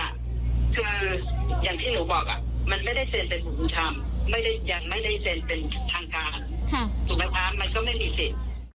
ยังไม่ได้เซ็นเป็นทางการถูกไหมคะมันก็ไม่มีสิทธิ์